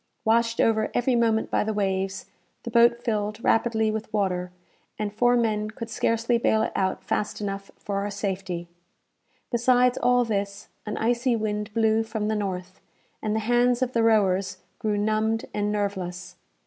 Washed over every moment by the waves, the boat filled rapidly with water, and four men could scarcely bale it out fast enough for our safety. Besides all this, an icy wind blew from the north, and the hands of the rowers grew numbed and nerveless.